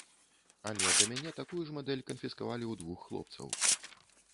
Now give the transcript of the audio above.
Але да мяне такую ж мадэль канфіскавалі ў двух хлопцаў.